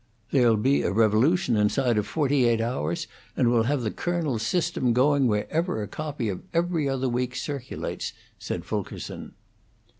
"There'll be a revolution inside of forty eight hours, and we'll have the Colonel's system going wherever a copy of 'Every Other Week' circulates," said Fulkerson.